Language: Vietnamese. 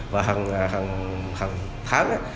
và hàng tháng